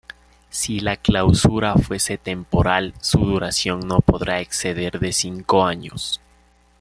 Si la clausura fuese temporal, su duración no podrá exceder de cinco años.